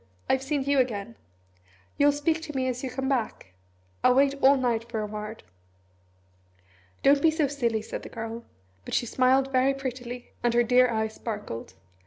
I've seen you again. You'll speak to me as you come back? I'll wait all night for a word." "Don't be so silly," said the Girl; but she smiled very prettily, and her dear eyes sparkled.